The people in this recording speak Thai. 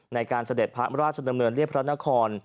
ในการเสด็จพระอำราชดำเนินเรียบพระนคร